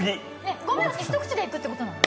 ５秒って一口でいくってことなの？